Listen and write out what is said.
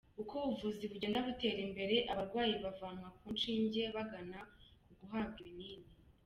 Uko ubuvuzi bugenda butera imbere, abarwayi bavanwa ku nshinge bagana ku guhabwa ibinini.